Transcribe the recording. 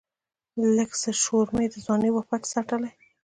لږڅه شورمي د ځواني وًپټ ساتلی